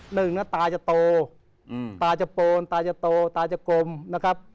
หนึ่งนะตาจะโตอืมตาจะโปนตาจะโตตาจะกลมนะครับ